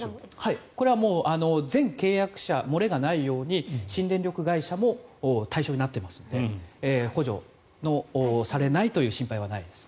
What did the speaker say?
これはもう全契約者、漏れがないように新電力会社も対象になっていますので補助されないという心配はないです。